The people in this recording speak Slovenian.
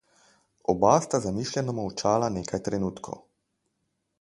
Oba sta zamišljeno molčala nekaj trenutkov.